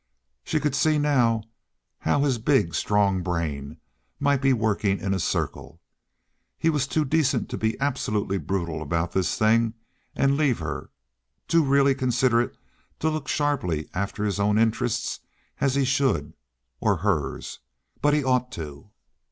She could see now how his big, strong brain might be working in a circle. He was too decent to be absolutely brutal about this thing and leave her, too really considerate to look sharply after his own interests as he should, or hers—but he ought to.